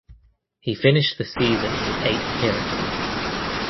He finished the season with eight appearances.